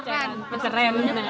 rangana selai peceren